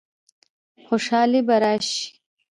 خوشحالي به راشي؟